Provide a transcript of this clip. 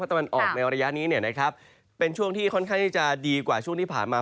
พัฒนาบันออกในระยะนี้เป็นช่วงที่ค่อนข้างที่จะดีกว่าช่วงที่ผ่านมา